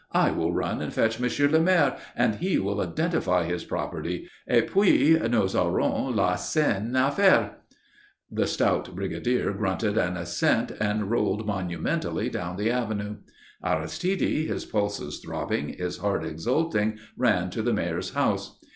I will run and fetch Monsieur le Maire and he will identify his property et puis nous aurons la scène à faire." The stout brigadier grunted an assent and rolled monumentally down the Avenue. Aristide, his pulses throbbing, his heart exulting, ran to the Mayor's house.